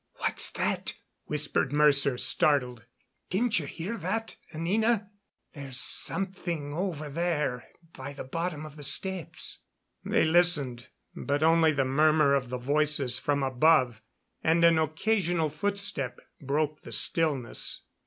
"What's that?" whispered Mercer, startled. "Didn't you hear that, Anina? There's something over there by the bottom of the steps." They listened, but only the murmur of the voices from above, and an occasional footstep, broke the stillness.